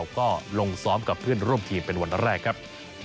ก็ลงซ้อมกับเพื่อนร่วมทีมเป็นวันแรกครับ